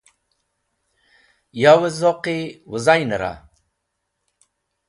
Yawẽ zoqi wẽzaynẽra?